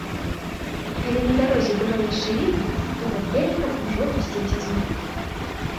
Калі на дарозе было яшчэ відна, то пад ельнікам ужо гусціўся змрок.